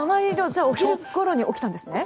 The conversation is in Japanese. じゃあお昼ごろに起きたんですね。